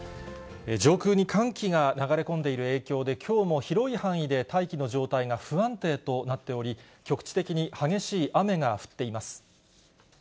上空に寒気が流れ込んでいる影響で、きょうも広い範囲で大気の状態が不安定となっており、局地的に激しい雨が降っています。